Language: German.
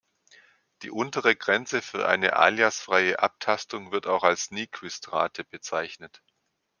Die untere Grenze für eine Alias-freie Abtastung wird auch als Nyquist-Rate bezeichnet.